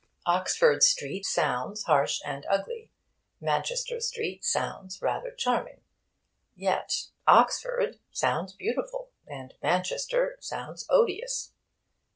'Oxford Street' sounds harsh and ugly. 'Manchester Street' sounds rather charming. Yet 'Oxford' sounds beautiful, and 'Manchester' sounds odious.